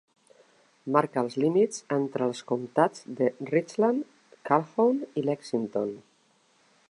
Marca els límits entre els comtats de Richland, Calhoun i Lexington.